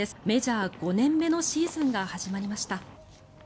メジャー５年目のシーズンが始まりました。